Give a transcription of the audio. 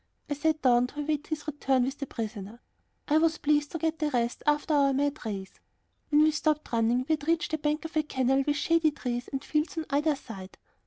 I sat down to await his return with the prisoner. I was pleased to get a rest after our mad race. When we stopped running we had reached the bank of a canal with shady trees and fields on either side.